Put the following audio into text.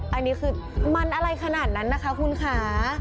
อันนี้คือมันอะไรขนาดนั้นนะคะคุณค่ะ